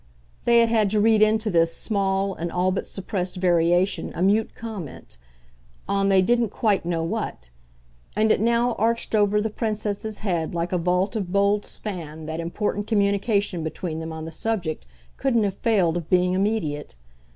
They had had to read into this small and all but suppressed variation a mute comment on they didn't quite know what; and it now arched over the Princess's head like a vault of bold span that important communication between them on the subject couldn't have failed of being immediate.